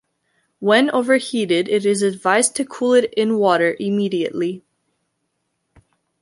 When over-heated it is advised to cool it in water intermediately.